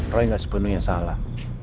roy nggak sepenuhnya salah